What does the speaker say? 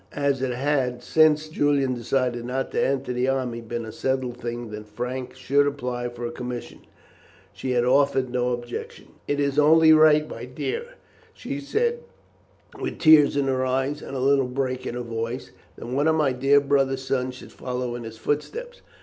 As it had, since Julian decided not to enter the army, been a settled thing that Frank should apply for a commission, she had offered no objection. "It is only right, my dear," she said, with tears in her eyes and a little break in her voice, "that one of my dear brother's sons should follow in his footsteps.